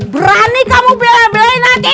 berani kamu beli beli nanti